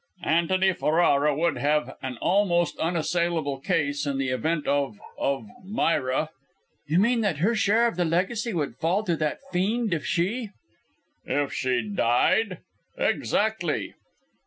"Antony Ferrara would have an almost unassailable case in the event of of Myra " "You mean that her share of the legacy would fall to that fiend, if she " "If she died? Exactly."